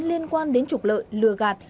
liên quan đến trục lợi lừa gạt